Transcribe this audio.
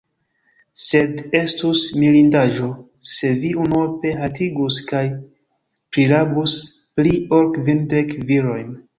Sed estus mirindaĵo, se vi unuope haltigus kaj prirabus pli ol kvindek virojn!